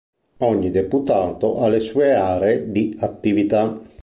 Ogni deputato ha le sue aree di attività.